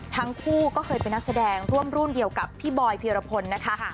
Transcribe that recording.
ทั้งคู่ก็เคยเป็นนักแสดงร่วมรุ่นเดียวกับพี่บอยพีรพลนะคะ